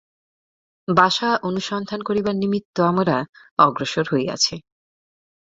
বাসা অনুসন্ধান করিবার নিমিত্ত আমরা অগ্রসর হইয়াছি।